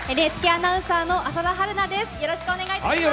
ＮＨＫアナウンサーの浅田春奈です。